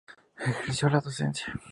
Ejerció la docencia.